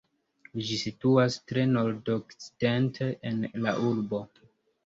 Ĝi situas tre nordokcidente en la urbo.